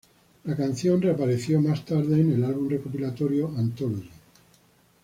La canción reapareció once más tarde en el álbum recopilatorio Anthology.